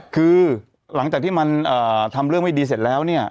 คือหลังจากที่มันทำเรื่องไม่ดีเสร็จแล้วเนี่ย